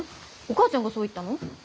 お母ちゃんがそう言ったの？